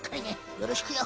よろしくよ。